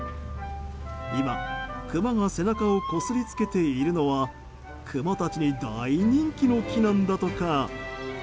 今、クマが背中をこすりつけているのはクマたちに大人気の木なんだとか。